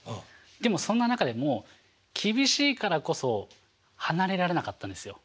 でもそんな中でも厳しいからこそ離れられなかったんですよ。